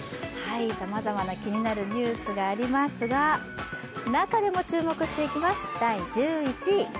さまざまな気になるニュースがありますが、中でも注目していきます、第１１位。